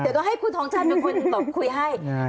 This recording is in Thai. เดี๋ยวต้องกลับให้ลองให้คุยให้